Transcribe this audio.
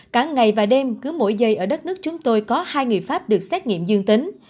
cả ngày và đêm cứ mỗi giây ở đất nước chúng tôi có hai người pháp được xét nghiệm dương tính